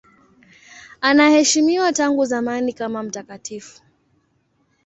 Anaheshimiwa tangu zamani kama mtakatifu.